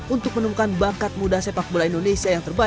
untuk menemukan bakat muda sepak bola indonesia yang terbaik